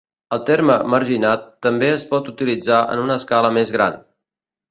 El terme "marginat" també es pot utilitzar en una escala més gran.